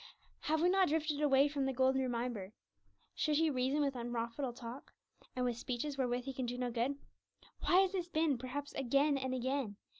Have we not drifted away from the golden reminder, 'Should he reason with unprofitable talk, and with speeches wherewith he can do no good?' Why has this been, perhaps again and again?